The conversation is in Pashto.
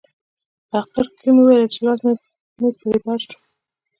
په اخر کښې مې وويل چې که لاس مې پر بر سو.